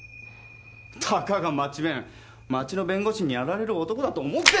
たかが町弁町の弁護士にやられる男だと思ってんのかよ！